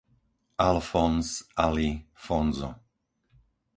Alfonz, Ali, Fonzo